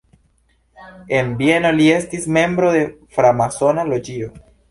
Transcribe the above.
En Vieno li estis membro de framasona loĝio.